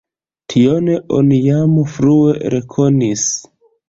Tion oni jam frue rekonis.